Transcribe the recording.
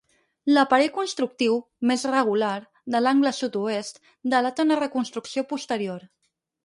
L'aparell constructiu, més regular, de l'angle sud-oest delata una reconstrucció posterior.